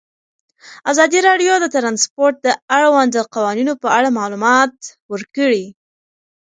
ازادي راډیو د ترانسپورټ د اړونده قوانینو په اړه معلومات ورکړي.